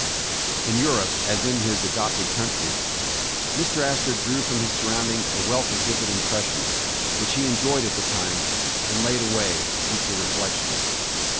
In Europe, as in his adopted country, Mr. Astor drew from his surroundings a wealth of vivid impres sions, which he enjoyed at the time, and laid away for future reflection.